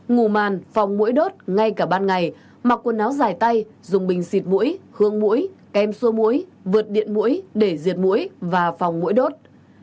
ngủ màn phòng mũi đốt ngay cả ban ngày mặc quần áo dài tay dùng bình xịt mũi hương mũi kem xua muối vượt điện mũi để diệt mũi và phòng mũi đốt